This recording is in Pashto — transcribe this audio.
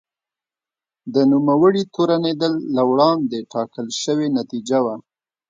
د نوموړي تورنېدل له وړاندې ټاکل شوې نتیجه وه.